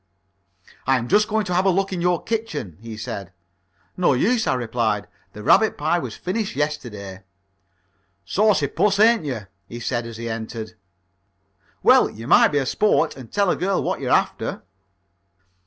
"I'm just going to have a look in your kitchen," he said. "No use," I replied. "The rabbit pie was finished yesterday." "Saucy puss, ain't you?" he said, as he entered. "Well, you might be a sport and tell a girl what you're after."